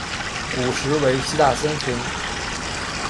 古时为西大森村。